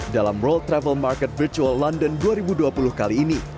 dalam world travel market virtual london dua ribu dua puluh kali ini